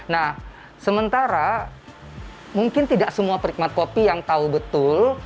nah sementara mungkin tidak semua perikmat kopi yang tahu betul